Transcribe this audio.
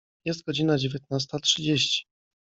Jest godzina dziewiętnasta trzydzieści.